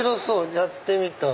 やってみたい。